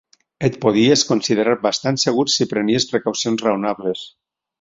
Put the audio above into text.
Et podies considerar bastant segur si prenies precaucions raonables.